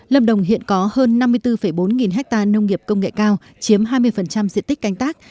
lâm đồng hiện có hơn năm mươi bốn bốn nghìn hectare nông nghiệp công nghệ cao chiếm hai mươi diện tích canh tác